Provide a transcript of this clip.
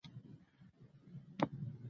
خلکو ولوستلې دا یې کمال و.